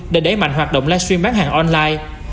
để đẩy mạnh hoạt động live stream bán hàng online